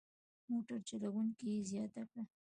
موټر چلوونکي زیاته کړه.